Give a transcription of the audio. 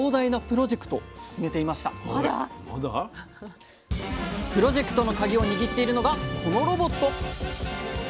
プロジェクトのカギを握っているのがこのロボット！